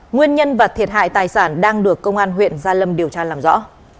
nguyên nhân và thiệt hại tài sản đang được công an huyện gia lâm điều tra làm rõ